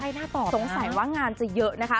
ใช่หน้าต่อสงสัยว่างานจะเยอะนะคะ